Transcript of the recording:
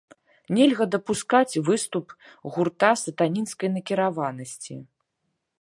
Нельга дапускаць выступ гурта сатанінскай накіраванасці.